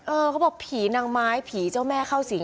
เขาบอกผีนางไม้ผีเจ้าแม่เข้าสิง